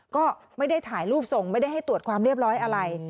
ก็ไม่ได้ถ่ายรูปส่งไม่ได้ให้ตรวจความเรียบร้อยอะไร